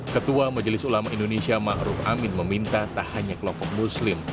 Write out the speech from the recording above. ketua majelis ulama indonesia ma'ruf amin meminta tak hanya kelompok muslim